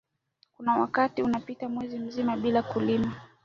Kuna wakati unapita mwezi mzima bila kulima